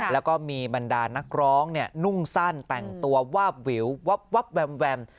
แล้วก็มีบรรดานักร้องนุ่งสั้นแต่งตัววาบวิววับแวม